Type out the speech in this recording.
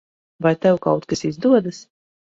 Vai tev kaut kas izdodas?